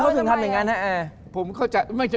ทำไมเค้าถึงทำอย่างงั้นฮะ